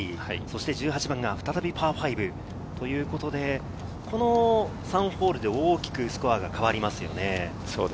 １８番が再びパー５ということで、この３ホールで大きくスコアが変わりますよね。